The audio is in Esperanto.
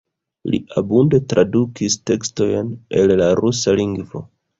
Li abunde tradukis tekstojn el la rusa lingvo.